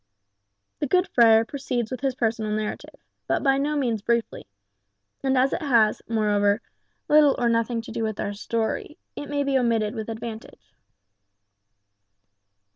(The good friar proceeds with his personal narrative, but by no means briefly; and as it has, moreover, little or nothing to do with our story, it may be omitted with advantage.)